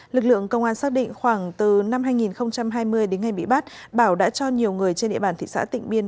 lực lượng công an xác định khoảng từ năm hai nghìn hai mươi đến ngày bị bắt bảo đã cho nhiều người trên địa bàn thị xã tịnh biên